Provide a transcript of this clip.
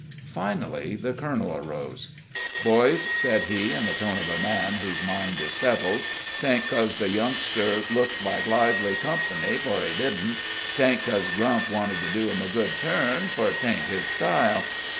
Finally the colonel arose. "Boys," said he, in the tone of a man whose mind is settled, "'tain't 'cos the youngster looked like lively comp'ny, fur he didn't. 'Taint 'cos Grump wanted to do him a good turn, fur 'tain't his style.